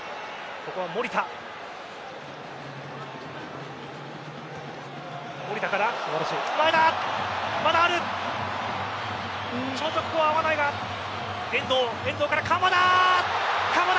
ここは合わないが遠藤から鎌田。